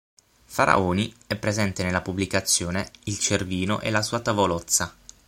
Faraoni è presente nella pubblicazione "Il Cervino e la sua tavolozza".